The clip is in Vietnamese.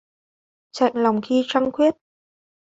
Chạnh lòng khi trăng khuyết